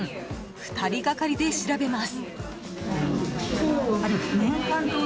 ２人がかりで調べます。